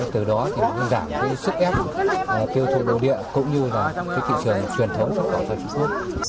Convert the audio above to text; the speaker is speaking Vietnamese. từ đó sẽ giảm sức ép tiêu thụ ổn định cũng như thị trường truyền thống xuất khẩu